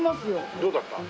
どうだった？